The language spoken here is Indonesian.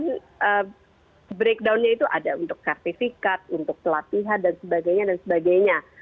nah breakdownnya itu ada untuk kartifikat untuk pelatihan dan sebagainya